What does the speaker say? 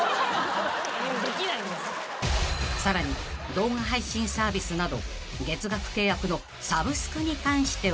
［さらに動画配信サービスなど月額契約のサブスクに関しては？］